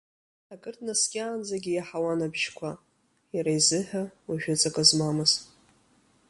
Акыр днаскьаанӡагьы иаҳауан абжьқәа, иара изыҳәа уажәы ҵакы змамыз.